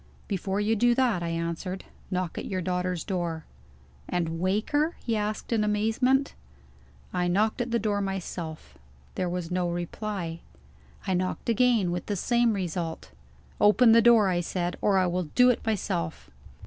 "Before you do that," I answered, "knock at your daughter's door." "And wake her?" he asked in amazement. I knocked at the door myself. There was no reply. I knocked again, with the same result. "Open the door," I said, "or I will do it myself."